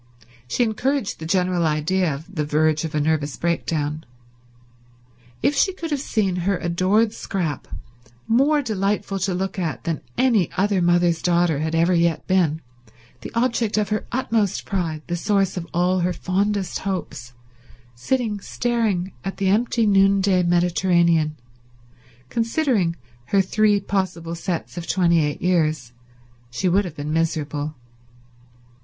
She encouraged the general idea of the verge of a nervous breakdown. If she could have seen her adored Scrap, more delightful to look upon than any other mother's daughter had ever yet been, the object of her utmost pride, the source of all her fondest hopes, sitting staring at the empty noonday Mediterranean considering her three possible sets of twenty eight years, she would have been miserable.